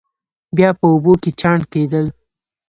بیا په اوبو کې چاڼ کېدل.